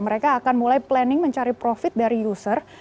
mereka akan mulai planning mencari profit dari user